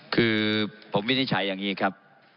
คือผมวินิจฉัยอย่างนี้ครับ